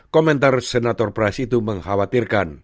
komentar senator price itu mengkhawatirkan